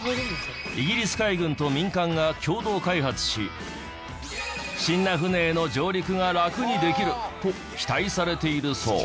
イギリス海軍と民間が共同開発し不審な船への上陸がラクにできると期待されているそう。